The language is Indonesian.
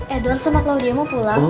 edward sama claudia mau pulang